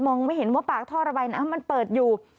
ไม่เห็นว่าปากท่อระบายน้ำมันเปิดอยู่